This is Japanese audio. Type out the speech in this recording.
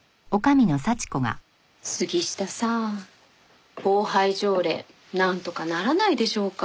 杉下さん暴排条例なんとかならないでしょうか。